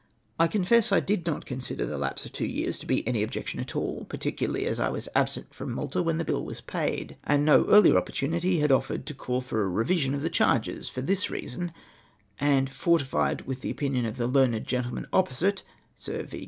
I confess I did not consider the lapse of two years to be any objection at all, particularly as I was absent from jMalta when the bill was paid, and no earlier 204 REFUSES TO NOTICE MY COMilUXICATIOX. opportunity Lad offered to call for a revision of the charges ; for this reason, and fortified with the opinion of the learned gentleman opposite (Sir V.